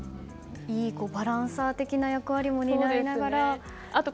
いいバランサー的な役割を担いながらと。